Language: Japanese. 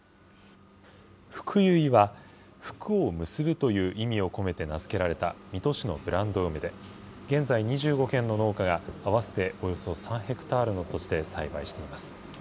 ふくゆいは、福を結ぶという意味を込めて名付けられた水戸市のブランド梅で、現在、２５軒の農家が合わせておよそ３ヘクタールの土地で栽培しています。